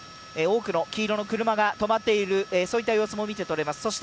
多くの黄色の車が止まっている様子も見て取れます。